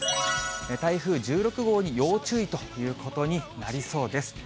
台風１６号に要注意ということになりそうです。